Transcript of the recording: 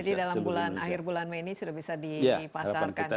jadi dalam akhir bulan mei ini sudah bisa dipasarkan